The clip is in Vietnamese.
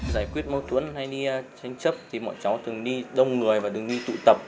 giải quyết bầu thuẫn hay đi tranh chấp thì bọn chó thường đi đông người và đừng đi tụ tập